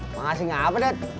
makasih gak apa det